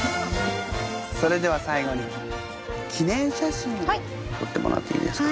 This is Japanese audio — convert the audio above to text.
それでは最後に記念写真を撮ってもらっていいですか？